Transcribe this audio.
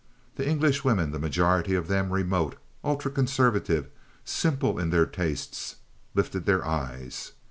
The Englishwomen, the majority of them remote, ultra conservative, simple in their tastes, lifted their eyes.